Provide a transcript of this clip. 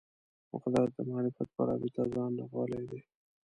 قدرت د معرفت په رابطه ځان رغولی دی